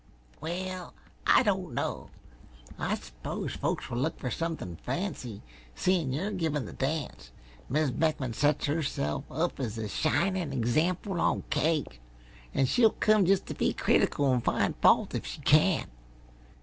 "Well, I don't know. I s'pose folks will look for something fancy, seein' you're givin' the dance. Mis' Beckman sets herself up as a shinin' example on cake, and she'll come just t' be critical an' find fault, if she can.